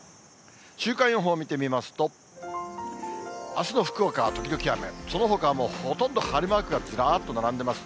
週間予報見てみますと、あすの福岡は時々雨、そのほかもほとんど晴れマークがずらっと並んでます。